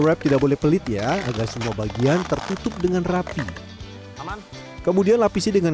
wrap tidak boleh pelit ya agar semua bagian tertutup dengan rapi kemudian lapisi dengan